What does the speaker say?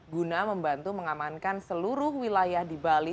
guna membantu mengamankan seluruh wilayah di bali